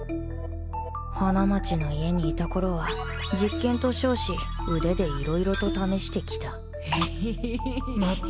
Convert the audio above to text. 花街の家にいた頃は実験と称し腕でいろいろと試してきた